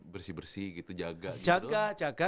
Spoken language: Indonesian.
bersih bersih gitu jaga gitu jaga jaga